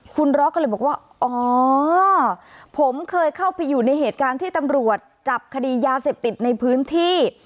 คุณร็อกก็เลยบอกว่าอ๋อผมเคยเข้าไปอยู่ในเหตุการณ์ที่ตำรวจจับคดียาเสพติดในพื้นที่